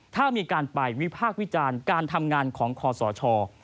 ถ้ามีการไปวิพากษ์วิจารณ์การทำงานของคอสช